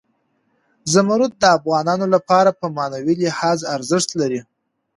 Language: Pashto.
زمرد د افغانانو لپاره په معنوي لحاظ ارزښت لري.